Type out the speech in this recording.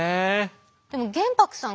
でも玄白さん